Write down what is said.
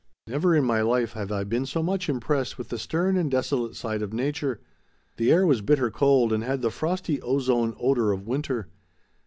Never in my life have I been so much impressed with the stern and desolate side of nature. The air was bitter cold and had the frosty ozone odor of winter.